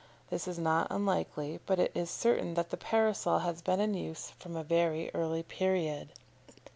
This is not unlikely, but it is certain that the Parasol has been in use from a very early period.